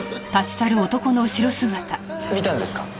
見たんですか？